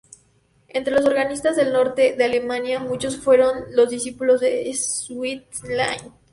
Entre los organistas del norte de Alemania, muchos fueron los discípulos de Sweelinck.